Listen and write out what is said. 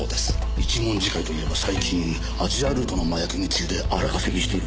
一文字会といえば最近アジアルートの麻薬密輸で荒稼ぎしている。